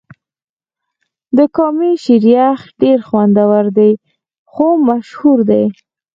د کامی شیر یخ ډېر خوندور دی ځکه خو مشهور دې.